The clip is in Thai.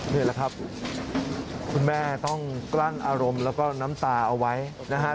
นี่แหละครับคุณแม่ต้องกลั้นอารมณ์แล้วก็น้ำตาเอาไว้นะฮะ